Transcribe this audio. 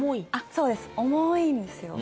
そうです重いんですよ。